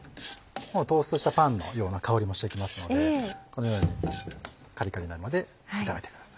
トーストしたパンのような香りもしてきますのでこのようにカリカリになるまで炒めてください。